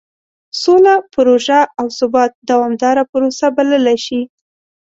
سوله پروژه او ثبات دومداره پروسه بللی شي.